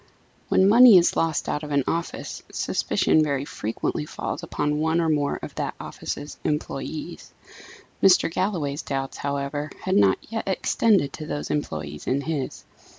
When money is lost out of an office, suspicion very frequently falls upon one or more of that office's employés. Mr. Galloway's doubts, however, had not yet extended to those employed in his.